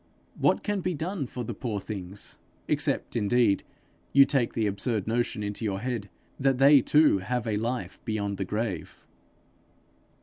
What can be done for the poor things except indeed you take the absurd notion into your head, that they too have a life beyond the grave?'